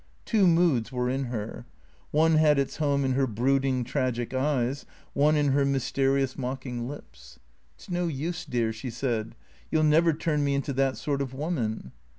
Two moods were in her; one had its home in her brooding, tragic eyes, one in her mys terious, mocking lips. " It 's no use, dear," she said. " You '11 never turn me into that sort of woman